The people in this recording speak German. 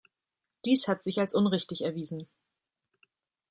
Dies hat sich als unrichtig erwiesen.